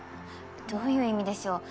どういう意味でしょう？